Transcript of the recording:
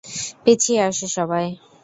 পিছিয়ে আসো, সবাই।